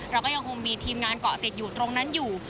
เราก็ยังคงมีทีมงานเกาะติดอยู่ตรงนั้นอยู่